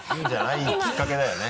いいきっかけだよね。